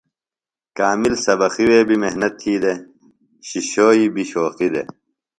کامل سبقی وے بیۡ محنت تھی دےۡ شِشوئی بیۡ شوقی دے۔